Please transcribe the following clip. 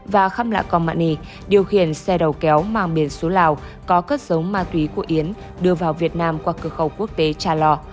và khăm lạ con mạ ni điều khiển xe đầu kéo mang biển xuống lào có cất sống ma túy của yến đưa vào việt nam qua cửa khẩu quốc tế trà lò